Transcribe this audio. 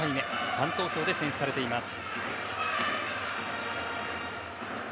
ファン投票で選出されています。